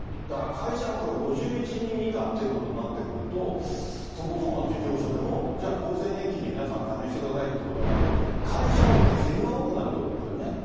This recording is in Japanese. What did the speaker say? だから会社はこれ、５１人以下っていうことになってくると、そこそこの事業所でも、じゃあ、厚生年金に皆さん加入してくださいってことになると、会社は出銭が多くなるっていうことですよね。